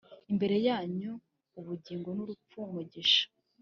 imbere yanyu ubugingo n’urupfu, umugisha